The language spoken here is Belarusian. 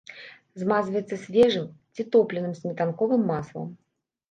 Змазваецца свежым ці топленым сметанковым маслам.